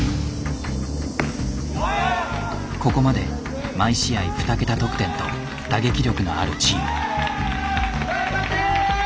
ここまで毎試合２桁得点と打撃力のあるチーム。